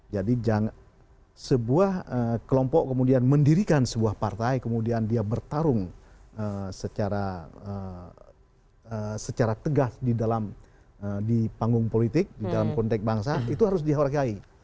jadi sebuah kelompok kemudian mendirikan sebuah partai kemudian dia bertarung secara tegas di dalam di panggung politik di dalam konteks bangsa itu harus dihargai